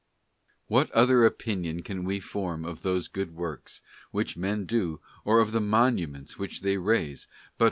What other opinion can we form of those good works, which men do, or of the monuments which they raise, but which, * S.